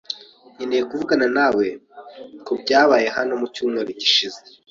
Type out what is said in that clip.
Nkeneye kuvugana nawe kubyabaye hano mucyumweru gishize.